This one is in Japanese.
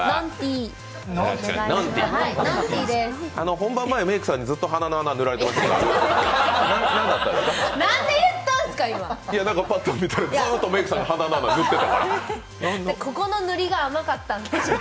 本番前メイクさんにずっと鼻の穴塗られてましたが何だったんですか？